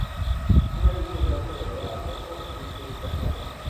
Un anillo blanco rodea al ojo, y este es castaño.